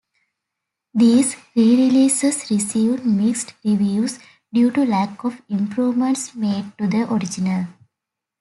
These re-releases received mixed reviews due to lack of improvements made to the original.